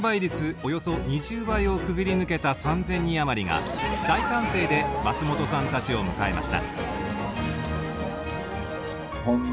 およそ２０倍をくぐり抜けた３，０００人余りが大歓声で松本さんたちを迎えました。